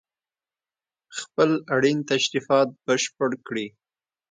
خپل اړين تشريفات بشپړ کړي